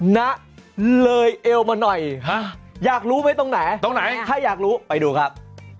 นะเลยเอวมาหน่อยอยากรู้ไหมตรงไหนตรงไหนถ้าอยากรู้ไปดูครับ